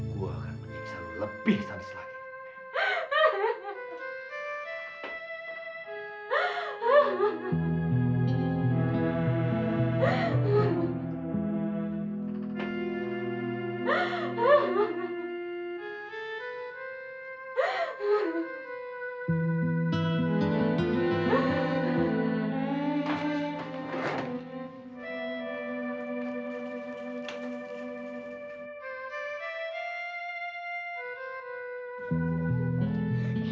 gue akan menyimpan lu lebih sanis lagi